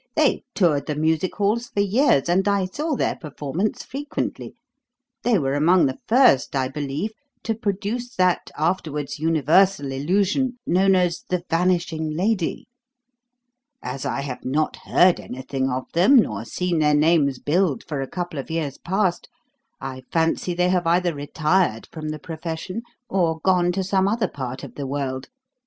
"They toured the Music Halls for years, and I saw their performance frequently. They were among the first, I believe, to produce that afterwards universal illusion known as 'The Vanishing Lady.' As I have not heard anything of them nor seen their names billed for a couple of years past, I fancy they have either retired from the profession or gone to some other part of the world.